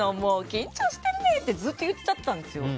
緊張してるねってずっと言っちゃったんですよ。